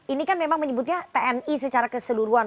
ini kan memang menyebutnya tni secara keseluruhan